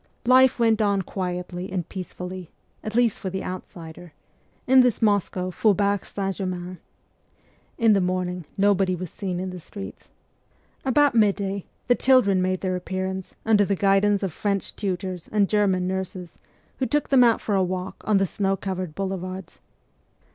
Life went on quietly and peacefully at least for the outsider in this Moscow Faubourg Saint Germain. In the morning nobody was seen in the streets. About midday the children made their appearance under the CHILDHOOD 7 guidance of French tutors and German nurses, who took them out for a walk on the snow covered boule vards.